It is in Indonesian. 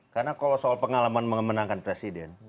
karena kalau soal pengalaman menangkan presiden